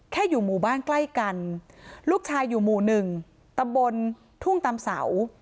อยู่หมู่บ้านใกล้กันลูกชายอยู่หมู่หนึ่งตำบลทุ่งตำเสา